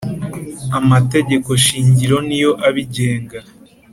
amategeko shingiro niyo abigenga